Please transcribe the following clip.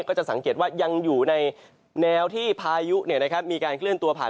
ก็จะสังเกตว่ายังอยู่ในแนวที่พายุมีการเคลื่อนตัวผ่าน